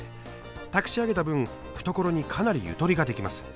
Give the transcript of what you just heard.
たくし上げた分懐にかなりゆとりができます。